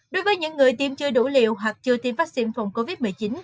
đối với những người tiêm chưa đủ liều hoặc chưa tiêm vaccine phòng covid một mươi chín